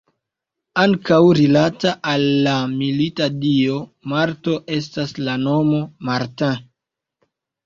Ankaŭ rilata al la milita dio Marto estas la nomo Martin.